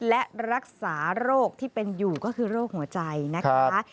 และรักษาโรคที่เป็นอยู่ก็คือโรคหัวใจนะคะ